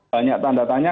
banyak tanda tanya